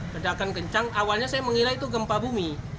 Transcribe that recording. ledakan kencang awalnya saya mengira itu gempa bumi